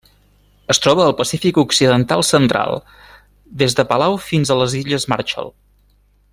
Es troba al Pacífic occidental central: des de Palau fins a les illes Marshall.